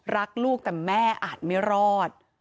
รักลูกแต่แม่อาจไม่รอด